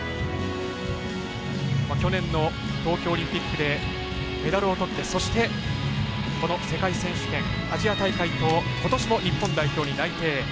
去年の東京オリンピックでメダルを取ってそして、この世界選手権アジア大会と、ことしも日本代表に内定。